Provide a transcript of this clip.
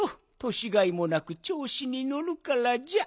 年がいもなくちょうしにのるからじゃ。